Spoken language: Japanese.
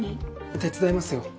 手伝いますよ。